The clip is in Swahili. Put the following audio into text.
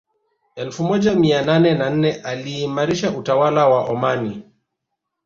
Elfu moja mia nane na nne aliimarisha utawala wa Omani